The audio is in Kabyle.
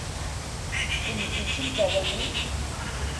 Kennemti d timẓawanin?